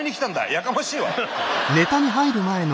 やかましいわ。